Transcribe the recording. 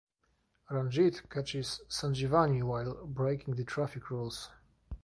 Ranjit catches Sanjivani while breaking the traffic rules.